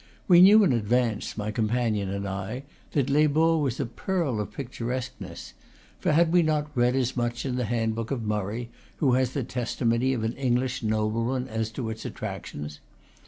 We knew in advance, my companion and I that Les Baus was a pearl of picturesqueness; for had we not read as much in the handbook of Murray, who has the testimony of an English nobleman as to its attractions?